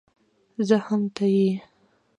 زه هم ته يې